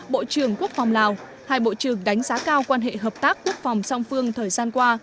bộ trưởng quốc phòng lào hai bộ trưởng đánh giá cao quan hệ hợp tác quốc phòng song phương thời gian qua